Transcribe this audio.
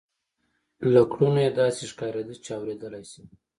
له کړنو یې داسې ښکارېده چې اورېدلای شي